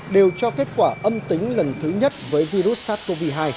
đều cho kết quả âm tính lần thứ nhất với virus sars cov hai